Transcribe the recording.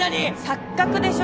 錯覚でしょ？